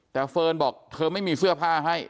แต่เฟิร์นบอกเธอไม่มีเสื้อผ้าให้